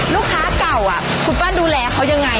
ลูกค้าเก่าคุณป้าดูแลเขายังไง